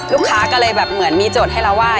ลูกค้าก็เลยแบบเหมือนมีโจทย์ให้เราว่า